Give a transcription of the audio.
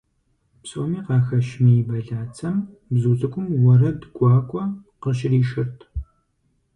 Псоми къахэщ мей бэлацэм бзу цӀыкӀум уэрэд гуакӀуэ къыщришырт.